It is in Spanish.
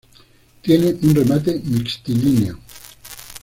Tiene un remate mixtilíneo.